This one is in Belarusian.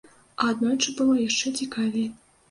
А аднойчы было яшчэ цікавей.